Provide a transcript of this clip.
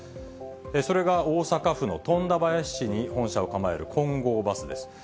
それが大阪府の富田林市に本社を構える金剛バスです。